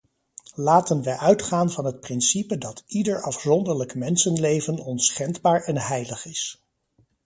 Laten wij uitgaan van het principe dat ieder afzonderlijk mensenleven onschendbaar en heilig is.